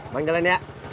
bang jalan ya